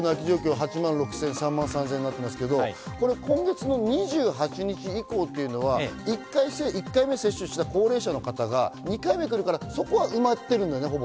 ８万６０００と３万３０００となっていますが今月の２８日以降は１回目接種した高齢者の方が２回目来るからそこ埋まっているんだよね、ほぼ。